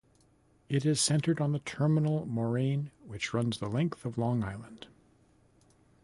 It is centered on the terminal moraine which runs the length of Long Island.